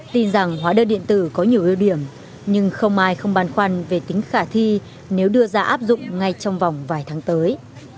tin rằng hóa đơn điện tử có nhiều ưu điểm nhưng không ai không băn khoăn về tính khả thi nếu đưa ra áp dụng ngay trong vòng vài tháng tới